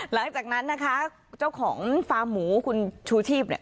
หลังจากนั้นนะคะเจ้าของฟาร์มหมูคุณชูชีพเนี่ย